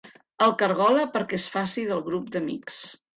El cargola perquè es faci del grup d'amics.